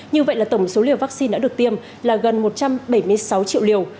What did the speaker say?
như vậy là tổng số liều vaccine đã được tiêm là gần một trăm bảy mươi sáu triệu liều